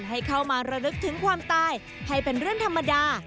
ให้เข้ามาระลึกถึงความตายให้เป็นเรื่องธรรมดา